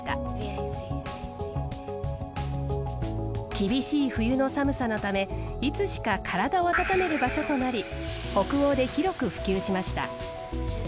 厳しい冬の寒さのためいつしか体を温める場所となり北欧で広く普及しました。